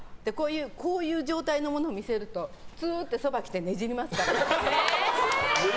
こういう状態のものを見せるとツーってそば来てねじりますからね。